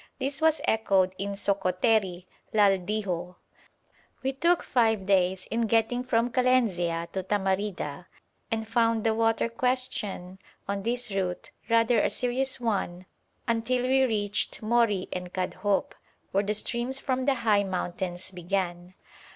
This was echoed in Sokoteri, 'Lal diho.' We took five days in getting from Kalenzia to Tamarida, and found the water question on this route rather a serious one until we reached Mori and Kadhoup, where the streams from the high mountains began.